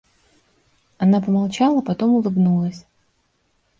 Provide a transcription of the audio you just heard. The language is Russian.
Она помолчала, потом улыбнулась.